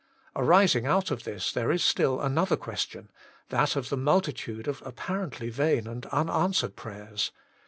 Arising out of this there is still another question that of . the multitude of apparently vain and unanswered prayers.